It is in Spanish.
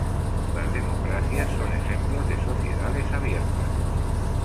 Las democracias son ejemplos de sociedades abiertas.